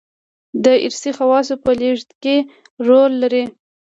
دارثي خواصو په لېږد کې رول لري.